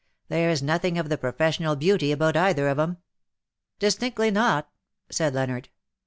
There^s nothing of the professional beauty about either of ^em.'^ " Distinctly not \" said Leonard.